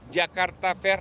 jakarta fair kemayoran